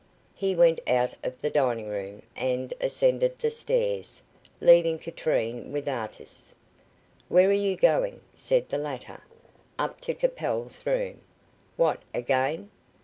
He went out of the dining room, and ascended the stairs, leaving Katrine with Artis. "Where are you going?" said the latter. "Up to Capel's room." "What, again?"